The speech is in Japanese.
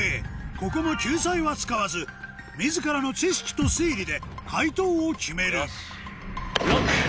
ここも救済は使わず自らの知識と推理で解答を決めるＬＯＣＫ！